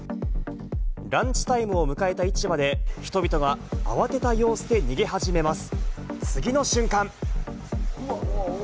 ランチタイムを迎えた市場で、人々が慌てた様子で逃げ始めます。